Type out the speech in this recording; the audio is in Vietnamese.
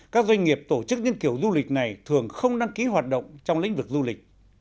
các doanh nghiệp tổ chức những kiểu du lịch này thường không đăng ký hoạt động trong lĩnh vực du lịch